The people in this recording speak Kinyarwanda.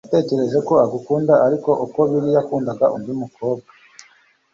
Natekereje ko agukunda, ariko uko biri, yakundaga undi mukobwa.